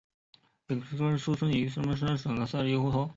比利亚尔出生在巴拉圭涅恩布库省的塞里托。